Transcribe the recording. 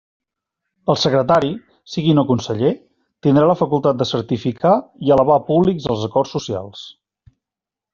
El secretari, sigui o no conseller, tindrà la facultat de certificar i elevar a públics els acords socials.